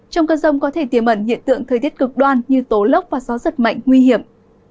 trong cơn rông có thể tiềm ẩn hiện tượng thời tiết cực đoan như tố lốc và gió giật mạnh nguy hiểm